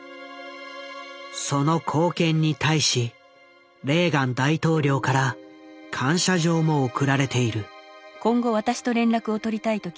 その貢献に対しレーガン大統領から感謝状も贈られている。